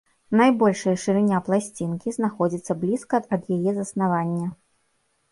Найбольшая шырыня пласцінкі знаходзіцца блізка ад яе заснавання.